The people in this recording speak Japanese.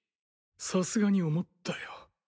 さすがに思ったよ。